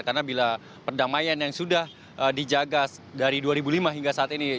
karena bila perdamaian yang sudah dijaga dari dua ribu lima hingga saat ini